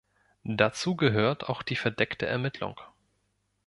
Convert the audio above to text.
Dazu gehört auch die verdeckte Ermittlung.